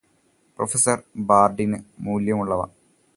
professor ബ്രാൻഡിന് മുല്യമുള്ളവ